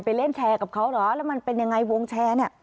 เล่นแชร์กับเขาเหรอแล้วมันเป็นยังไงวงแชร์เนี่ย